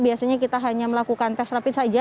biasanya kita hanya melakukan tes rapid saja